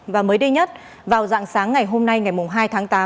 và mới đây nhất vào dạng sáng ngày hôm nay ngày hai tháng tám